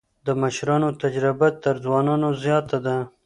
د مشرانو تجربه تر ځوانانو زياته ده.